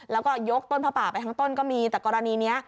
แล้วก็ยกต้นผ้าป่าไปทั้งต้นก็มีแต่กรณีนี้